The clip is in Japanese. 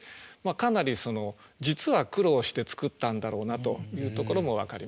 かなり実は苦労して作ったんだろうなというところも分かります。